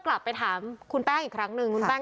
คุณพ่อคุณว่าไง